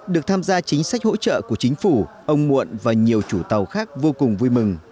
được tham gia chính sách hỗ trợ của chính phủ ông muộn và nhiều chủ tàu khác vô cùng vui mừng